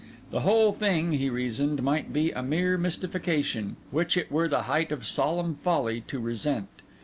The whole thing, he reasoned, might be a mere mystification, which it were the height of solemn folly to resent.